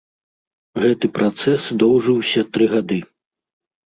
Гэты працэс доўжыўся тры гады.